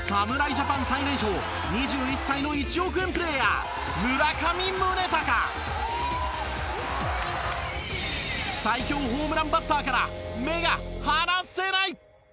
ジャパン最年少、２１歳の１億円プレーヤー、村上宗隆最強ホームランバッターから目が離せない！